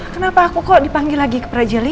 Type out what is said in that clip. kenapa aku kok dipanggil lagi ke peraja lima